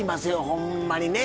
ほんまにね。